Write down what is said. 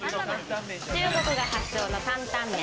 中国が発祥の担々麺。